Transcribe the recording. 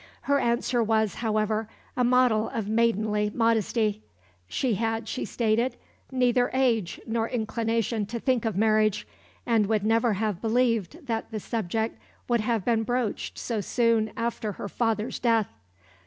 Her answer was, however, a model of maidenly modesty. She had, she stated, neither age nor inclination to think of marriage, and would never have believed that the subject would have been broached so soon after her father's death.